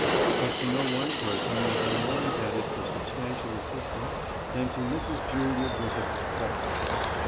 But to no one person was I more indebted for substantial assistance than to Mrs. Julia Griffiths Crofts.